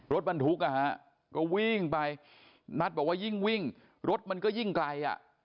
รถบรรทุกอ่ะฮะก็วิ่งไปนัทบอกว่ายิ่งวิ่งรถมันก็ยิ่งไกลอ่ะ